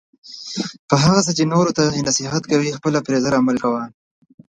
په هغه څه چې نورو ته یی نصیحت کوي خپله پری زر عمل کوه